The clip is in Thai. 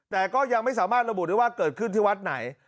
แต่ก็ยังไม่สามารถระบุได้ว่าเกิดขึ้นที่วัดไหน